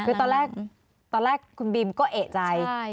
คือตอนแรกตอนแรกคุณบีมก็เอกใจ